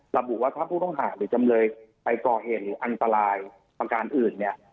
ระบุว่าถ้าผู้ต้องหาหรือจำเลยไปก่อเหตุหรืออันตรายประการอื่นเนี่ย